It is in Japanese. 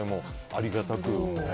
ありがたく。